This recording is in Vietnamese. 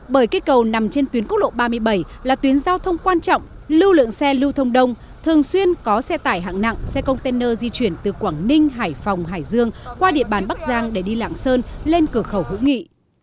bởi cây cầu nằm trên tuyến quốc lộ ba mươi bảy là tuyến giao thông quan trọng lưu lượng xe lưu thông đông thường xuyên có xe tải hạng nặng xe container di chuyển từ quảng ninh hải phòng hải dương qua địa bàn bắc giang để đi lạng sơn lên cửa khẩu hữu nghị